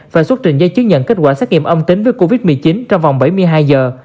và xuất trình giấy chứng nhận kết quả xét nghiệm âm tính với covid một mươi chín trong vòng bảy mươi hai giờ